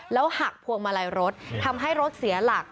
หักพวงมาลัยรถทำให้รถเสียหลัก